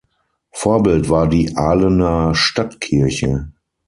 Vorbild war die Aalener Stadtkirche.